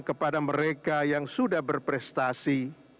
kepada mereka yang sudah berprestasi